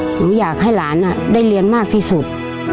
หนูอยากให้หลานได้เรียนมากที่สุด